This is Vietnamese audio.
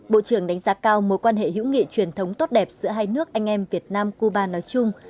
bộ trưởng đánh giá cao mối quan hệ hữu nghị truyền thống tốt đẹp giữa hai nước anh em việt nam cuba nói chung